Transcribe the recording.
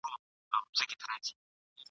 یاران به ناڅي نغمې به پاڅي ..